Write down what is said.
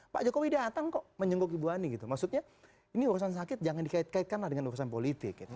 pak jokowi datang kok menyenggok ibu ani gitu maksudnya ini urusan sakit jangan dikaitkan dengan urusan politik gitu